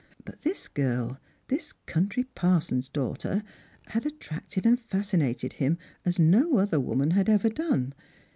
But this girl, this country parson's daughter, had attracted and fascinated him as no other woman had ever done.